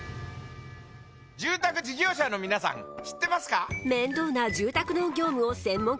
住宅事業者の皆さん知ってますか？